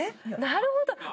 なるほど。